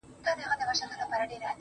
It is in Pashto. • د زړه ملا مي راته وايي دغه.